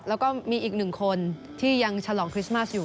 แล้วก็มีอีกหนึ่งคนที่ยังฉลองคริสต์มาสอยู่